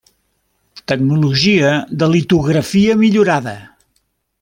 Tecnologia de litografia millorada.